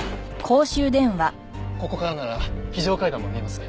ここからなら非常階段も見えます。